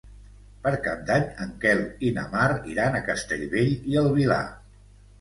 Per Cap d'Any en Quel i na Mar iran a Castellbell i el Vilar.